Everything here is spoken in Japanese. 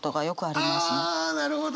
あなるほど。